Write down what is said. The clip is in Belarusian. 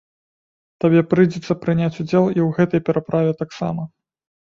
Табе прыйдзецца прыняць удзел і ў гэтай пераправе таксама.